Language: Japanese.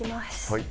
はい。